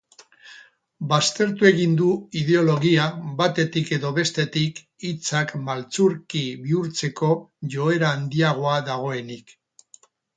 Baztertu egin du ideologia batetik edo bestetik hitzak maltzurki bihurtzeko joera handiagoa dagoenik.